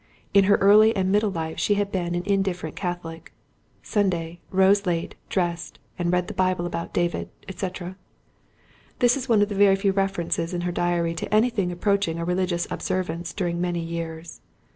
In her early and middle life she had been an indifferent Catholic: "Sunday. Rose late, dressed, and read in the Bible about David, &c."—this is one of the very few references in her diary to anything approaching a religious observance during many years.